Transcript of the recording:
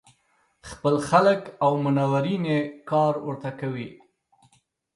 خپل خلک او منورین یې کار ورته کوي.